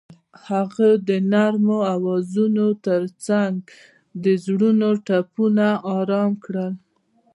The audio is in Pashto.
هغې د نرم اوازونو ترڅنګ د زړونو ټپونه آرام کړل.